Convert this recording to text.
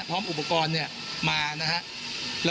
พร้อมอุปกรณ์เนี่ยมานะครับ